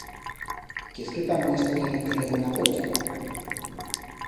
Quiers que t'amuestre lo que levo en a pocha?